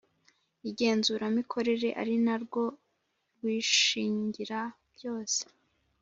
igenzuramikorere ari na rwo rwishingira byose.